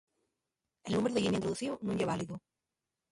El númberu de llinia introducíu nun ye válidu.